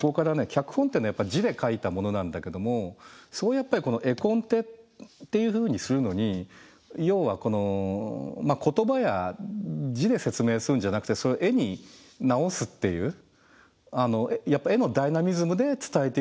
脚本っていうのはやっぱり字で書いたものなんだけどもやっぱり絵コンテっていうふうにするのに要はこの言葉や字で説明するんじゃなくてそれ絵に直すっていうやっぱ絵のダイナミズムで伝えていくにはどうすればいいか。